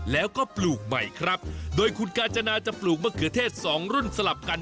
แล้วก็ปลูกใหม่ครับโดยคุณกาญจนาจะปลูกมะเขือเทศสองรุ่นสลับกัน